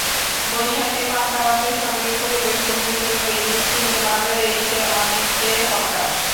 বৈশাখে পান্তা ভাতের সঙ্গে পরিবেশনের জন্য ইলিশ কিনতে বাজারে এসে অনেকে হতাশ।